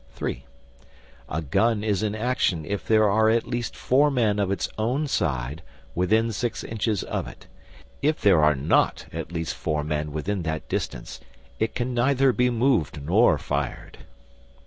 (III) A gun is in action if there are at least four men of its own side within six inches of it. If there are not at least four men within that distance, it can neither be moved nor fired.